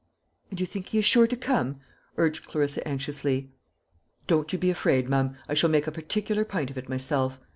"And you think he is sure to come?" urged Clarissa anxiously. "Don't you be afraid, mum. I shall make a particular pint of it myself.